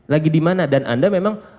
lagi di mana dan anda memang